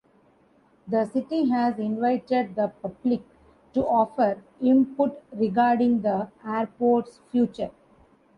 The city has invited the public to offer input regarding the airport's future.